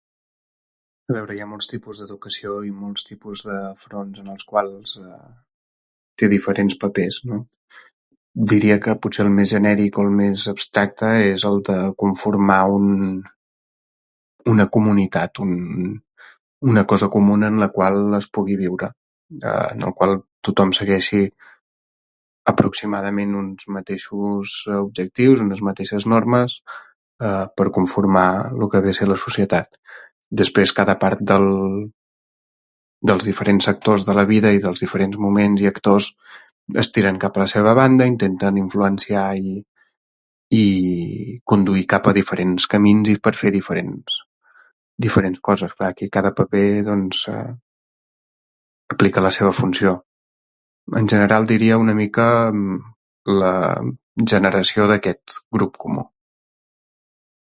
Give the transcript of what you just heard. A veure, hi ha molts tipus d'educació i molts tipus de fronts en els quals té diferents papers, no? Diria que potser el més genèric o el més abstracte és el de conformar un una comunitat, un una cosa comuna en la qual es pugui viure, en el qual tothom segueixi aproximadament uns mateixos objectius, unes mateixes normes per conformar lo que ve a ser la societat. Després, cada part del dels diferents actors de la vida i dels diferents moments i actors es tiren cap a la seva banda intenten influenciar i i conduir cap a diferents camins i per fer diferents diferents coses, clar. Aquí cada paper, doncs, aplica la seva funció. En general, diria, una mica, la generació d'aquest grup comú.